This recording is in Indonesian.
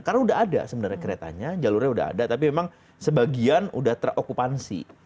karena sudah ada sebenarnya keretanya jalurnya sudah ada tapi memang sebagian sudah terokupansi